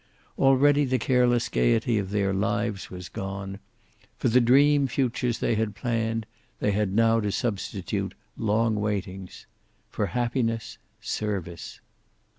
Already the careless gayety of their lives was gone. For the dream futures they had planned they had now to substitute long waiting; for happiness, service.